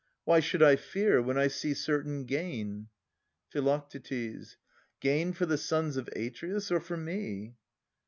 Why should I fear, when I see certain gain? Phi. Gain for the sons of Atreus, or for me